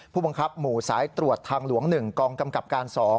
ผู้บังคับหมู่สายตรวจทางหลวง๑กองกำกับการ๒